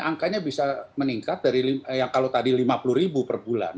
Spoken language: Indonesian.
angkanya yang darisorry lima puluh satu bulan